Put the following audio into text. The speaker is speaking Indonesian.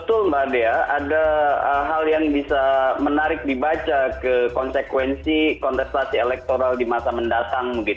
ya saya pikir memang betul mbak adea ada hal yang bisa menarik dibaca ke konsekuensi kontestasi elektoral di masa mendatang mungkin ya